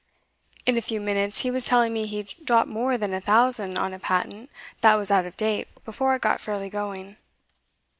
In a few minutes he was telling me he'd dropped more than a thousand on a patent that was out of date before it got fairly going.